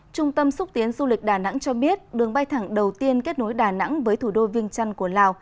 trung tâm xúc tiến du lịch đà nẵng cho biết đường bay thẳng đầu tiên kết nối đà nẵng với thủ đô viên trăn của lào